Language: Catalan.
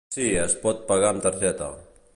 Sí, es pot pagar amb targeta.